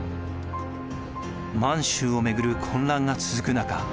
満州をめぐる混乱が続く中